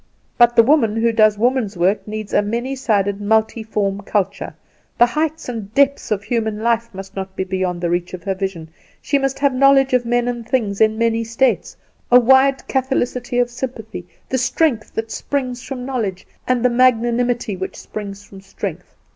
But the woman who does woman's work needs a many sided, multiform culture; the heights and depths of human life must not be beyond the reach of her vision; she must have knowledge of men and things in many states, a wide catholicity of sympathy, the strength that springs from knowledge, and the magnanimity which springs from strength.